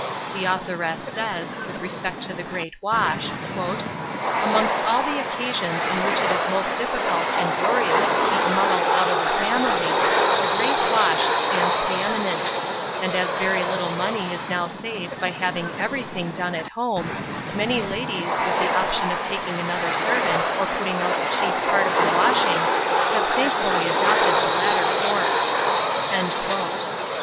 The authoress says, with respect to the great wash "Amongst all the occasions in which it is most difficult and glorious to keep muddle out of a family, 'the great wash' stands pre eminent; and as very little money is now saved by having everything done at home, many ladies, with the option of taking another servant or putting out the chief part of the washing, have thankfully adopted the latter course."